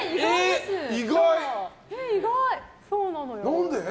何で？